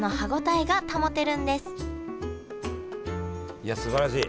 いやすばらしい！